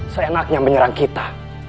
seenaknya menyerang kita